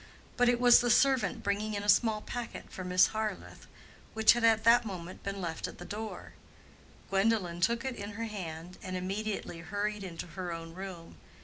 But it was the servant bringing in a small packet for Miss Harleth, which had at that moment been left at the door. Gwendolen took it in her hand and immediately hurried into her own room.